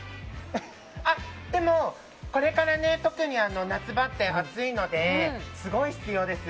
でも、これから特に夏場って暑いのですごい必要です。